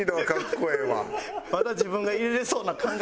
まだ自分が入れれそうな感覚の。